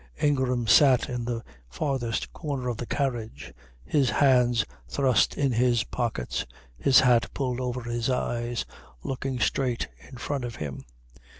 Ingram sat in the farthest corner of the carriage, his hands thrust in his pockets, his hat pulled over his eyes, looking straight in front of him.